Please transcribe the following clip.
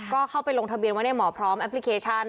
ก็เข้าไปลงทะเบียนไว้ในหมอพร้อมแอปพลิเคชัน